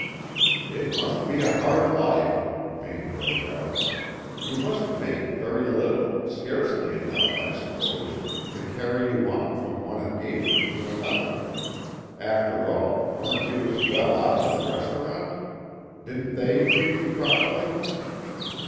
"It must be a hard life," Vane broke out. "You must make very little scarcely enough, I suppose, to carry you on from one engagement to another. After all, weren't you as well off at the restaurant? Didn't they treat you properly?"